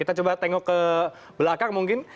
kita coba tengok ke belakang mungkin